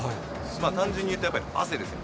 単純に言うとやっぱり汗ですよね。